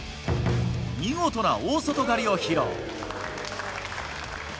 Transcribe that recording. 見事な大外刈りを披露。